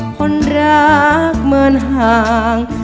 คนรักเหมือนห่าง